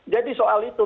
jadi soal itu